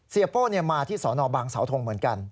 เสียโป้เนี่ยมาที่สอนอบางเสาธงเหมือนกัน